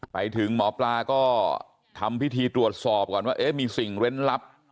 ไปถึงหมอปลาก็ทำพิธีตรวจสอบก่อนว่าเอ๊ะมีสิ่งเล่นลับ